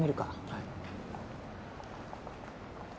はい。